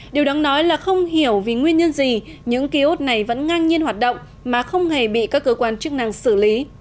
điều đáng nói là không hiểu vì nguyên nhân gì những ký ốt này vẫn ngang nhiên hoạt động mà không hề bị các cơ quan chức năng xử lý